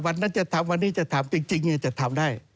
วันนั้นจะทำวันนี้จะทำจริงจะทำได้